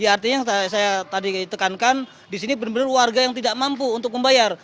artinya saya tadi tekankan di sini benar benar warga yang tidak mampu untuk membayar